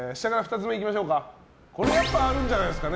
これはやっぱあるんじゃないですかね。